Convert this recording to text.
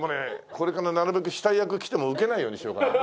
これからなるべく死体役きても受けないようにしようかなと。